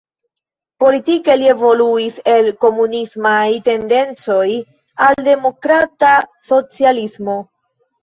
Politike li evoluis el komunismaj tendencoj al demokrata socialismo.